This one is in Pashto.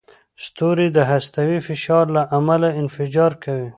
ستوري د هستوي فشار له امله انفجار کوي.